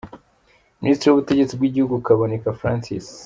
Minisitiri w’Ubutegetsi bw’Igihugu : Kaboneka Francis